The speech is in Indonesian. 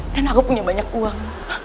dan aku punya banyak uang